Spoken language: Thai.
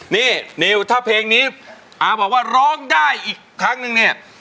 นี่นิวถ้าพงว่าร้องได้อีกครั้งนึงเนี่ย